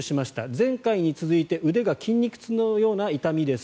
前回に続いて腕が筋肉痛のような痛みです。